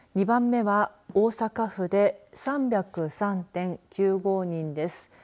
２番目は、大阪府で３０３．９５人です。